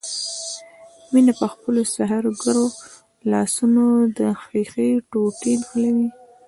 مينه په خپلو سحرګرو لاسونو د ښيښې ټوټې نښلوي.